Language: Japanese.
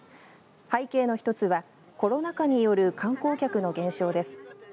背景の１つはコロナ禍による観光客の減少です。